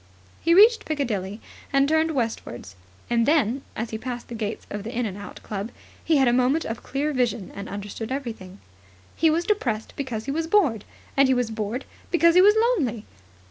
He reached Piccadilly and turned westwards. And then, as he passed the gates of the In and Out Club, he had a moment of clear vision and understood everything. He was depressed because he was bored, and he was bored because he was lonely.